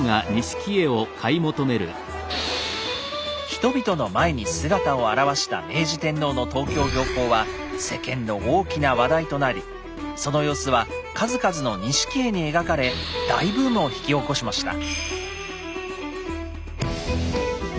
人々の前に姿を現した明治天皇の東京行幸は世間の大きな話題となりその様子は数々の錦絵に描かれ大ブームを引き起こしました。